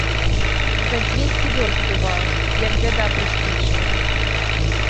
За дзвесце вёрст бываў, як бяда прыспічыла.